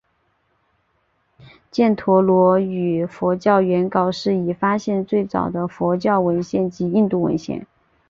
犍陀罗语佛教原稿是已发现最早的佛教文献及印度文献。